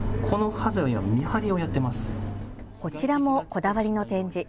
こちらもこだわりの展示。